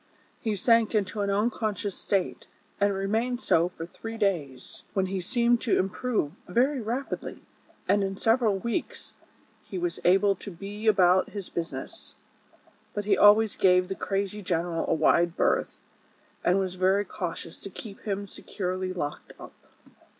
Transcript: He sank into an unconsious state, and remained so for three days, when he seemed to improve very rapidly, and in several weeks he was able to be about his business ; but he always gave the crazy gen eral a wide berth, and was very cautious to keep him securely locked up.